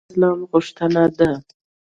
امن د اسلام غوښتنه ده